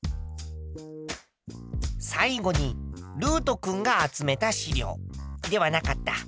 最後にるうと君が集めた資料。ではなかった。